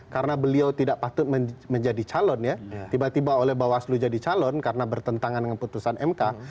karena beliau tidak patut menjadi calon ya tiba tiba oleh bawaslu jadi calon karena bertentangan dengan putusan mk